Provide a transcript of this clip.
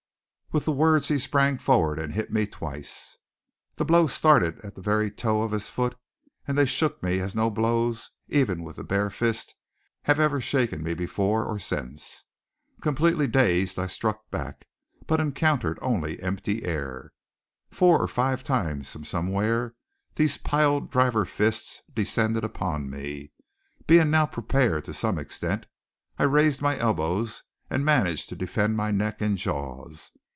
With the words he sprang forward and hit me twice. The blows started at the very toe of his foot; and they shook me as no blows, even with the bare fist, have ever shaken me before or since. Completely dazed, I struck back, but encountered only the empty air. Four or five times, from somewhere, these pile driver fists descended upon me. Being now prepared, to some extent, I raised my elbows and managed to defend my neck and jaws.